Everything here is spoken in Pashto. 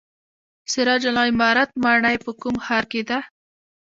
سراج العمارت ماڼۍ په کوم ښار کې ده؟